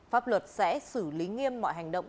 pháp luật sẽ xử lý nghiêm mọi hành động